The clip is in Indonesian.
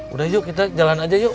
udah yuk kita jalan aja yuk